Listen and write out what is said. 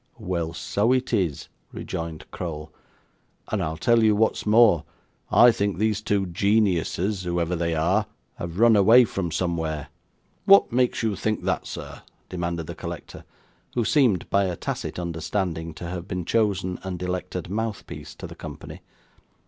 'Well, so it is,' rejoined Crowl; 'and I'll tell you what's more I think these two geniuses, whoever they are, have run away from somewhere.' 'What makes you think that, sir?' demanded the collector, who seemed, by a tacit understanding, to have been chosen and elected mouthpiece to the company.